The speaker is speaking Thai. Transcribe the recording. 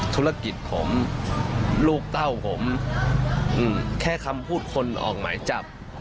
ธุรกิจผมลูกเต้าผมแค่คำพูดคนออกหมายจับ